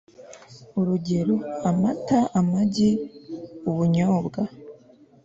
urugero amata, amagi, ubunyobwa